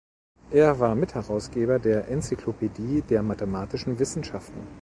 Er war Mitherausgeber der Enzyklopädie der mathematischen Wissenschaften.